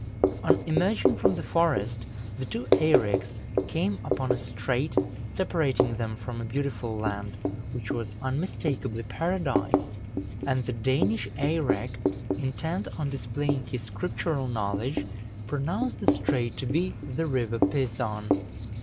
On emerging from the forest, the two Eireks came upon a strait, separating them from a beautiful land, which was unmistakably Paradise; and the Danish Eirek, intent on displaying his scriptural knowledge, pronounced the strait to be the River Pison.